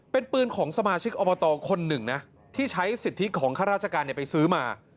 เป็นปืนของสมาชิกอบตคนหนึ่งนะที่ใช้สิทธิของข้าราชการไปซื้อมา